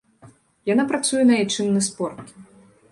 Яна працуе на айчынны спорт.